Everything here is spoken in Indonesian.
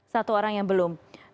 satu orang yang belum